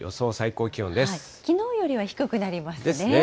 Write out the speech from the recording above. きのうよりは低くなりますね。ですね。